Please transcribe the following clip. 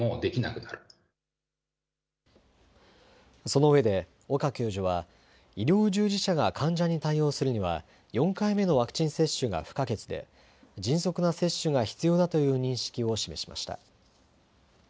その上で、岡教授は、医療従事者が患者に対応するには、４回目のワクチン接種が不可欠で、迅速な接種が必要だという認識を示しました。